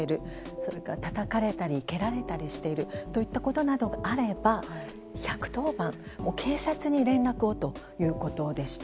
それからたたかれたり蹴られたりしているなんてことがあれば１１０番、警察に連絡をということでした。